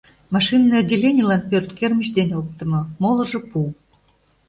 Машинный отделенийлан пӧрт кермыч дене оптымо, молыжо — пу.